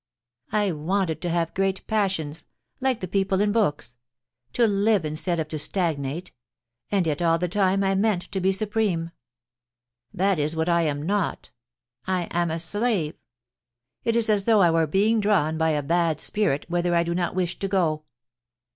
... I wanted to have great passions, like the people in books — to live instead of to stagnate ; and yet all the time I meant to be supreme. That is what I am not. I am a slave. It is as though I were being drawn by a bad spirit whither I do not wish to go.